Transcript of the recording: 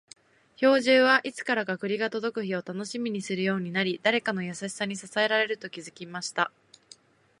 兵十は、いつからか栗が届く日を楽しみにするようになり、誰かの優しさに支えられていると気づきました。